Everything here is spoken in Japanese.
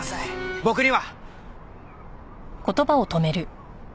「僕には」。